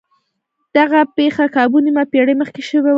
دغه پېښه کابو نيمه پېړۍ مخکې شوې وه.